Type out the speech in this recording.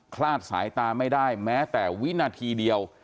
คลาดสายตาไม่ได้แม้แต่วินาทีเดียว